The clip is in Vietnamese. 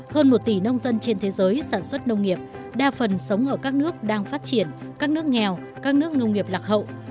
hơn một tỷ nông dân trên thế giới sản xuất nông nghiệp đa phần sống ở các nước đang phát triển các nước nghèo các nước nông nghiệp lạc hậu